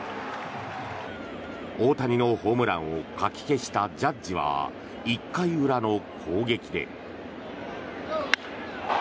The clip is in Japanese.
大谷のホームランをかき消したジャッジは１回裏の攻撃で。